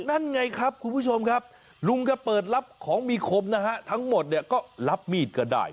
นั่นไงครับคุณผู้ชมครับลุงก็เปิดรับของมีคมนะฮะทั้งหมดเนี่ยก็รับมีดก็ได้